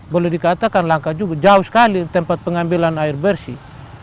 boleh dikatakan langka juga jauh sekali tempat pengambilan air bersih